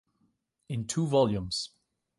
In Two Volumes".